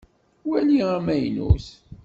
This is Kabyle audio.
Wali amaynut.